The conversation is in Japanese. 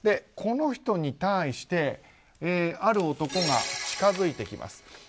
この人に対してある男が近づいてきます。